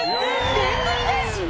でんぐり返し？